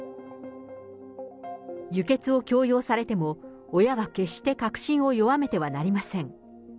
輸血を強要されても、親は決して確信を弱めてはなりません。